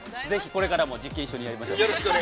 ◆これからも実験一緒にやりましょう。